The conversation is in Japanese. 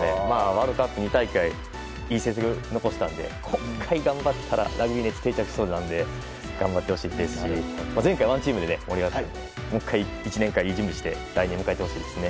ワールドカップ２大会いい成績を残したので今回、頑張ったらラグビー熱が定着しそうなので頑張ってほしいですし前回ＯＮＥＴＥＡＭで盛り上がっていたのでもう１回、１年間いい準備をしてほしいですね。